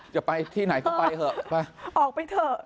จะไปที่ไหนก็ไปเถอะไปออกไปเถอะ